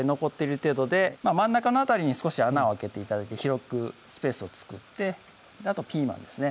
程度で真ん中の辺りに少し穴を空けて頂いて広くスペースを作ってあとピーマンですね